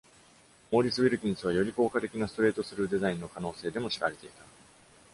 モーリス・ウィルキンスはより効果的なストレートスルーデザインの可能性でも知られていた。